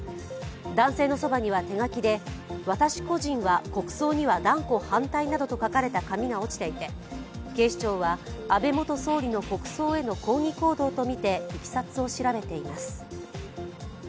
男性のそばには手書きで私個人は国葬には断固反対などと書かれた紙が落ちていて警視庁は安倍元総理の国葬への抗議行動とみていきさつを調べています。